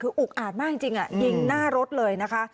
คืออุกอาดมากจริงยิงหน้ารถเลยนะคะ